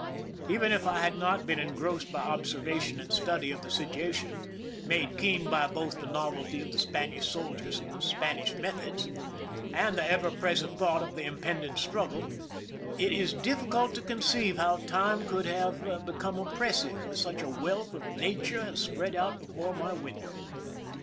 Even if I had not been engrossed by observation and study of the situation, made keen by both the novelty of the Spanish soldiers and Spanish meth ods, and the ever present thought of the impending struggle, it is difficult to conceive how time could have become oppressive with such awealth of nature as spread out before my window.